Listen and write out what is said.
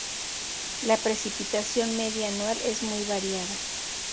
La precipitación media anual es muy variada.